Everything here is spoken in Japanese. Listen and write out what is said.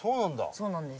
そうなんです。